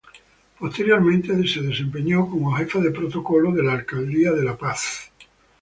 Posteriormente se desempeñó como jefa de protocolo de la alcaldía de La Paz.